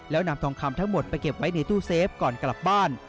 แล้วนำทองคำทั้งหมดไปเก็บไว้ในตู้เซฟก่อนกลับบ้าน